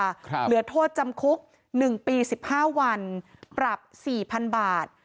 เหลือโทษจำคุก๑ปี๑๕วันปรับ๔๐๐๐บาท